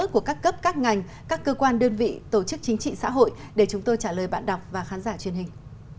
của các cấp các ngành các cơ quan đơn vị tổ chức chính trị xã hội để chúng tôi trả lời bạn đọc và khán giả truyền hình